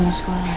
kamu mau sekolah